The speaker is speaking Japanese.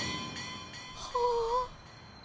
はあ。